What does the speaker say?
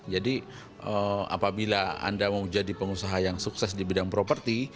jadi apabila anda mau jadi pengusaha yang sukses di bidang properti